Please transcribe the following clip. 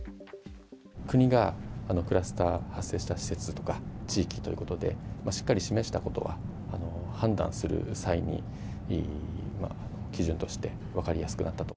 国が、クラスター発生した施設とか地域ということで、しっかり示したことは、判断する際に基準として分かりやすくなったと。